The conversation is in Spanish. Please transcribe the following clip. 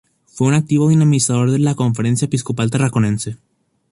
Fue un activo dinamizador de la Conferencia Episcopal Tarraconense.